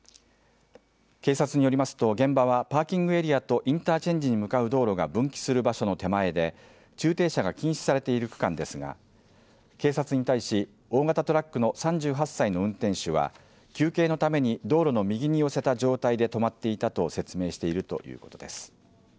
警察によりますと現場はパーキングエリアとインターチェンジに向かう道路が分岐する場所の手前で駐停車が禁止されている区間ですが警察に対し、大型トラックの３８歳の運転手は休憩のために道路の右に寄せた状態で止まっていたと説明しているということです。